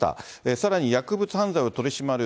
さらに薬物犯罪を取り締まる